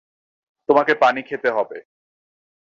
তোমাকে পানি খেতে হবে।